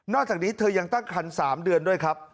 จากนี้เธอยังตั้งคัน๓เดือนด้วยครับ